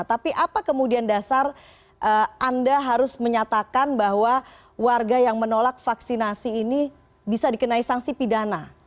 tapi apa kemudian dasar anda harus menyatakan bahwa warga yang menolak vaksinasi ini bisa dikenai sanksi pidana